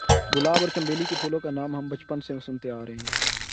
گلاب اور چنبیلی کے پھولوں کا نام ہم بچپن سے سنتے آ رہے ہیں